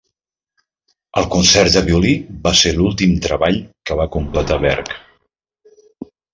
El concert de violí va ser l'últim treball que va completar Berg.